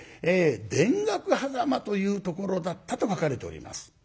田楽狭間というところだったと書かれております。